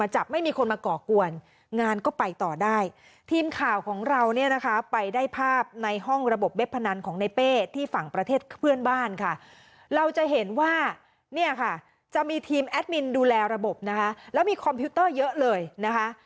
จะมีทีมแอดมินดูแลระบบนะคะแล้วมีคอมพิวเตอร์เยอะเลยนะคะ